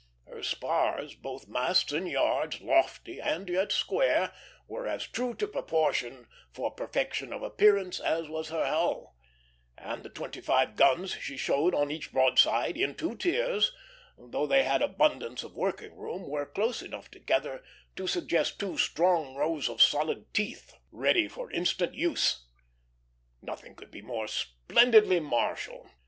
Her spars, both masts and yards, lofty and yet square, were as true to proportion, for perfection of appearance, as was her hull; and the twenty five guns she showed on each broadside, in two tiers, though they had abundance of working room, were close enough together to suggest two strong rows of solid teeth, ready for instant use. Nothing could be more splendidly martial.